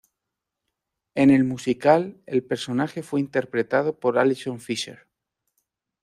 En el musical el personaje fue interpretado por Allison Fischer.